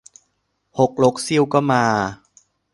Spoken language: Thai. ฮกลกซิ่วก็มา !